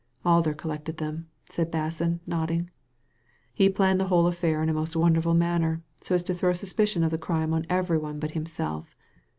"Alder collected them," said Basson, nodding; ''he planned the whole affair in a most wonderful manner, so as to throw suspicion of the crime on every one but himself.